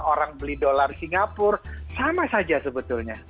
orang beli dolar singapura sama saja sebetulnya